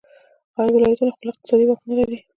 آیا ولایتونه خپل اقتصادي واک نلري؟